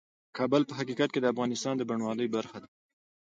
کابل په حقیقت کې د افغانستان د بڼوالۍ برخه ده.